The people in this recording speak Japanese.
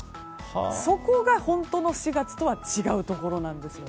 そこが本当の４月とは違うところなんですね。